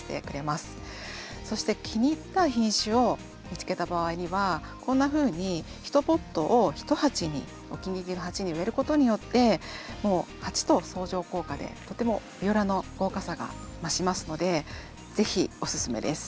そして気に入った品種を見つけた場合にはこんなふうにお気に入りの鉢に植えることによってもう鉢と相乗効果でとてもビオラの豪華さが増しますので是非オススメです。